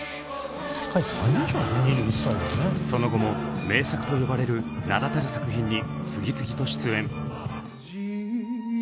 その後も名作と呼ばれる名だたる作品に次々と出演。